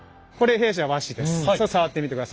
触ってみてください。